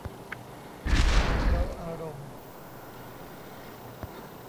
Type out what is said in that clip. ความเร้าอารมณ์